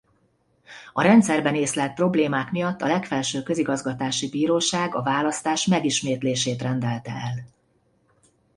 A rendszerben észlelt problémák miatt a Legfelső Közigazgatási Bíróság a választás megismétlését rendelte el.